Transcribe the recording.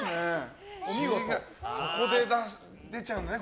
そこで出ちゃうんだね。